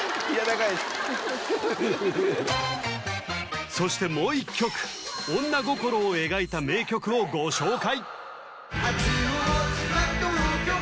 返しそしてもう１曲女心を描いた名曲をご紹介！